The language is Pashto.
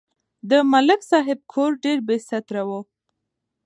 د ملک صاحب کور ایر بېستره و.